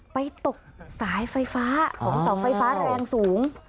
ไปตกสายไฟฟ้าของเสาไฟฟ้าแรงสูง